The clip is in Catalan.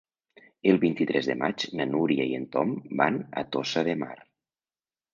El vint-i-tres de maig na Núria i en Tom van a Tossa de Mar.